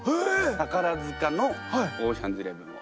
宝塚の「オーシャンズ１１」を。